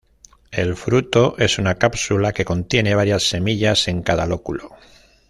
El fruto es una cápsula que contiene varias semillas en cada lóculo.